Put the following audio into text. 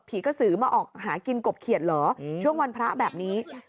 กระสือมาออกหากินกบเขียดเหรอช่วงวันพระแบบนี้